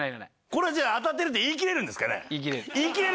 これじゃあ当たってるって言いきれるんですかね？